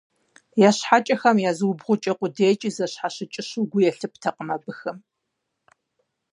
Я щхьэкӀэхэм я зыубгъукӀэ къудейкӀи зэщхьэщыкӀыщэу гу ялъыптэркъым абыхэм.